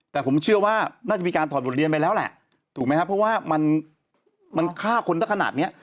แต่ผมเชื่อว่าน่าจะมีการถอดบทเรียนไปแล้วแหละถูกไหมครับเพราะว่ามันฆ่าคนสักขนาดเนี้ย